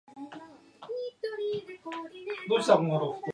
さうしたら例の兄がおれを親不孝だ、おれの為めに、おつかさんが早く死んだんだと云つた。